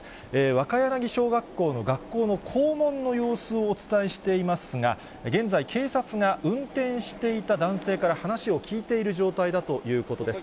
若柳小学校の学校の校門の様子をお伝えしていますが、現在、警察が運転していた男性から話を聴いている状態だということです。